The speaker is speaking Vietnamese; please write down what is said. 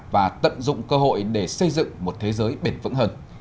và tận dụng cơ hội để xây dựng một thế giới bền vững hơn